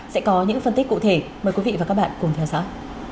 sẽ có những phân tích cụ thể mời quý vị và các bạn cùng theo dõi